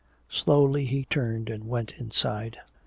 Slowly he turned and went inside.